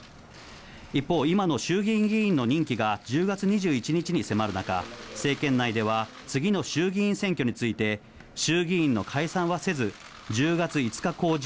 一方、今の衆議院議員の任期が１０月２１日に迫る中、政権内では次の衆議院選挙について、衆議院の解散はせず、１０月５日公示、